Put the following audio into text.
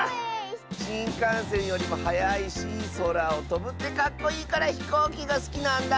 しんかんせんよりもはやいしそらをとぶってかっこいいからひこうきがすきなんだ。